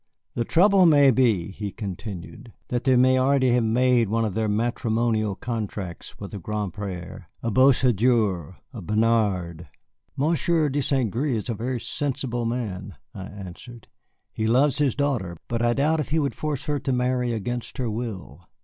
"The trouble may be," he continued, "that they have already made one of their matrimonial contracts with a Granpré, a Beauséjour, a Bernard." "Monsieur de St. Gré is a very sensible man," I answered. "He loves his daughter, and I doubt if he would force her to marry against her will.